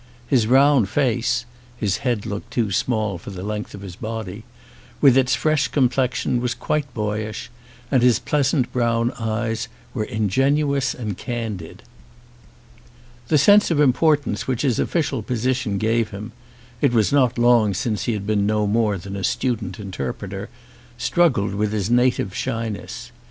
His round face (his head looked too small for the length of his body) with its fresh complexion was quite boyish, and his pleasant brown eyes were ingenuous and candid. The sense of importance which his official position gave him (it was not long since he had been no more than a student interpreter) struggled with his native shyness.